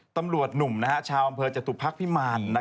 ตำรวจหนุ่มชาวอำเภอจตุพักพิมาร